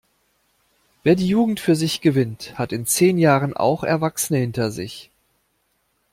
Wer die Jugend für sich gewinnt, hat in zehn Jahren auch Erwachsene hinter sich.